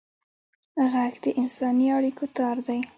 غږ د انساني اړیکو تار دی